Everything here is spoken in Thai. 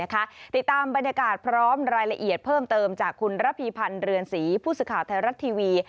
ติดตามบรรยากาศพร้อมรายละเอียดเพิ่มเติมจากคุณระพีพันธ์เรือนศรีผู้สื่อข่าวไทยรัฐทีวี